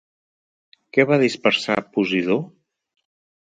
Què va dispersar Posidó?